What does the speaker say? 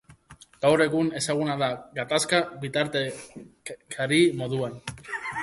Gaur egun ezaguna da gatazka-bitartekari moduan.